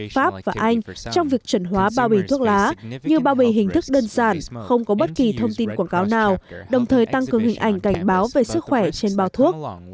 pháp và anh trong việc chuẩn hóa bao bì thuốc lá như bao bì hình thức đơn giản không có bất kỳ thông tin quảng cáo nào đồng thời tăng cường hình ảnh cảnh báo về sức khỏe trên bao thuốc